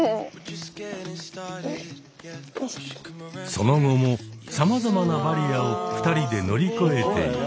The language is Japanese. その後もさまざまなバリアを２人で乗り越えていき。